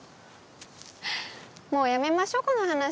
もうやめましょうこの話。